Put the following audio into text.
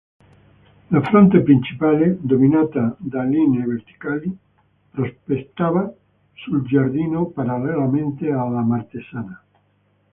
La fronte principale, dominata da linee verticali, prospettava sul giardino parallelamente alla Martesana.